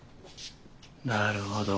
なるほど。